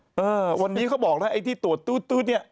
เออวันนี้เขาบอกแล้วไอ้ที่ตรวจตู๊ดเนี่ย